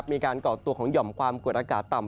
ก่อตัวของหย่อมความกดอากาศต่ำ